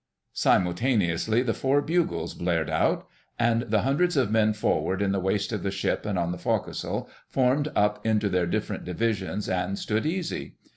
Simultaneously the four bugles blared out, and the hundreds of men forward in the waist of the ship and on the forecastle formed up into their different divisions and stood easy.